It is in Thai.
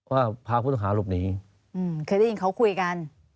ว่าพาผู้ต้องหาหลบหนีเคยได้ยินเขาคุยกัน